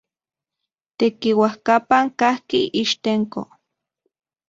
Tekiuajkapan kajki Ixtenco.